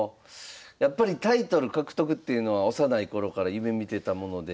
やっぱりタイトル獲得っていうのは幼い頃から夢みてたもので。